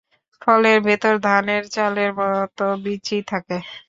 ফলের ভেতরে ধানের চালের মতো বিচি থাকে।